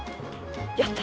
やった！